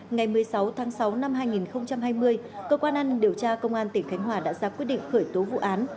ngày một mươi sáu tháng sáu năm hai nghìn hai mươi cơ quan an điều tra công an tỉnh khánh hòa đã ra quyết định khởi tố vụ án